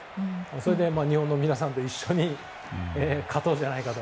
それで日本の皆さんと一緒に勝とうじゃないかと。